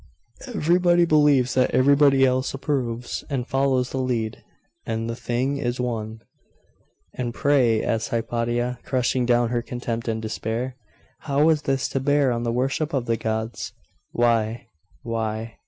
Everybody believes that everybody else approves, and follows the lead.... And the thing is won.' 'And pray,' asked Hypatia, crushing down her contempt and despair, 'how is this to bear on the worship of the gods? 'Why.... why